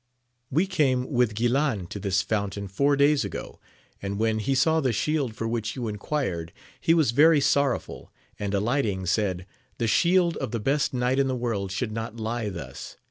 We came with Guilan to this fountain four days ago, and when he saw the shield for which you enquired, he was very sorrowful, and alighting, said, The shield of the best knight in the world should not lie thus